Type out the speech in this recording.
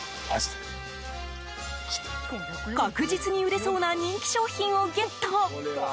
確実に売れそうな人気商品をゲット。